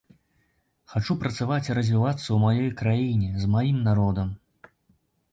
Хачу працаваць і развівацца ў маёй краіне, з маім народам.